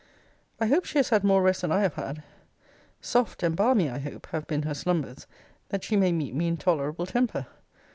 I hope she has had more rest than I have had. Soft and balmy, I hope, have been her slumbers, that she may meet me in tolerable temper.